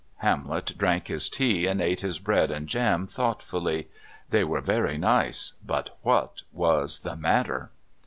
Hamlet drank his tea and ate his bread and jam thoughtfully. They were very nice, but what was the matter?